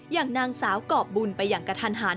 อย่างนางสาวกรอบบุญไปอย่างกระทันหัน